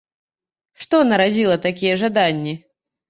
Што нарадзіла такія жаданні?